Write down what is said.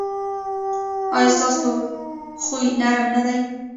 ایا ستاسو خوی نرم نه دی؟